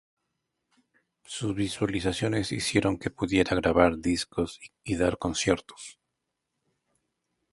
Sus visualizaciones hicieron que pudiera grabar discos y dar conciertos.